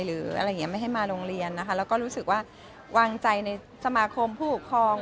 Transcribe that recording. หรืออะไรอย่างนี้ไม่ให้มาโรงเรียนนะคะแล้วก็รู้สึกว่าวางใจในสมาคมผู้ปกครอง